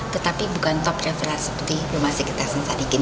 tetapi bukan top refer seperti rumah sakit hasan sadikin